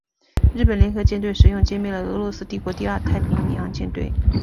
日本联合舰队使用歼灭了俄罗斯帝国第二太平洋舰队。